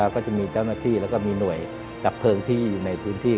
ก็จะมีเจ้าหน้าที่แล้วก็มีหน่วยดับเพลิงที่อยู่ในพื้นที่